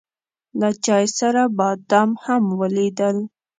له چای سره بادام هم وليدل.